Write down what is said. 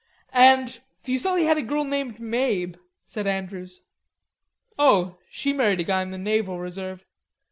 "And Fuselli had a girl named Mabe," said Andrews. "Oh, she married a guy in the Naval Reserve.